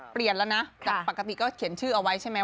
เปลี่ยนแล้วนะจากปกติก็เขียนชื่อเอาไว้ใช่ไหม